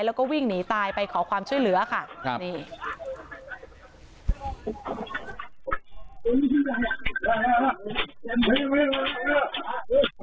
แล้วก็วิ่งหนีตายไปขอความช่วยเหลือค่ะครับนี่